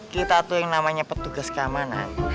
kita tuh yang namanya petugas keamanan